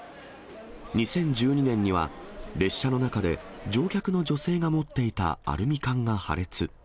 ２０１２年には、列車の中で乗客の女性が持っていたアルミ缶が破裂。